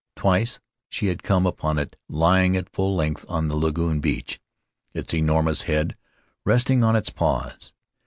Twice she had come upon it lying at full length on the lagoon beach, its enormous head resting on its paws.